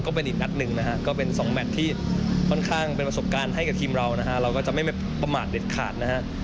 ก็เป็น๒แมทที่ค่อนข้างเป็นประสบการณ์ให้กับทีมเรานะฮะเราก็จะไม่มีประมาทเด็ดขาดนะฮะ